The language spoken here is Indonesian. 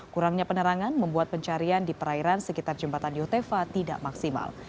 kurangnya penerangan membuat pencarian di perairan sekitar jembatan yutefa tidak maksimal